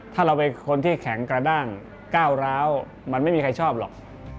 ถ้าเราเป็นคนที่แข็งกระด้างก้าวร้าวมันไม่มีใครชอบหรอก